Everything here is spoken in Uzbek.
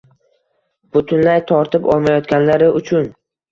butunlay tortib olmayotganlari uchun